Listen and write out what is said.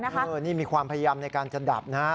เฮ่อนี่มีความพยายามในการจะดับนะครับ